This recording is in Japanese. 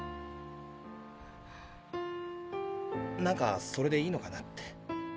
なんかそれでいいのかなって。